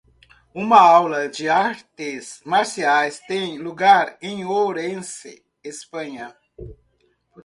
uma aula de artes marciais tem lugar em Ourense? Espanha.